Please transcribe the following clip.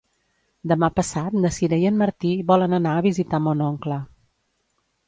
Demà passat na Sira i en Martí volen anar a visitar mon oncle.